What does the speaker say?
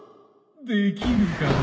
できるかな。